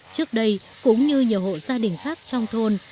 trước đây cũng như nhiều hộ gia đình khác trong thôn